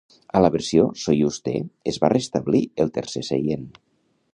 A la versió Soyuz-T es va restablir el tercer seient.